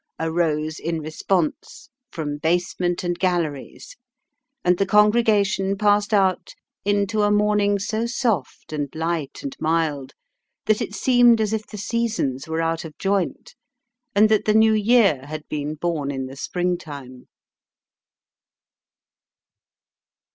arose in response from basement and galleries, and the congregation passed out into a morning so soft, and light, and mild, that it seemed as if the seasons were out of joint, and that the New Year had been born in the springtime.